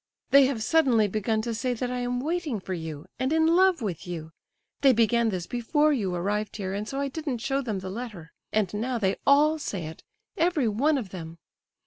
They have suddenly begun to say that I am waiting for you, and in love with you. They began this before you arrived here, and so I didn't show them the letter, and now they all say it, every one of them.